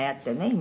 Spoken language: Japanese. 今」